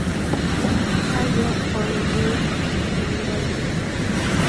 Ideas for a New Generation.